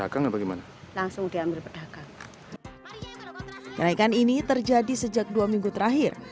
kenaikan ini terjadi sejak dua minggu terakhir